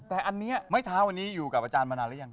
แต่อันนี้ไม้เท้าอันนี้อยู่กับอาจารย์มานานหรือยัง